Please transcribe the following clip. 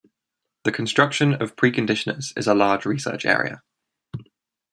The construction of preconditioners is a large research area.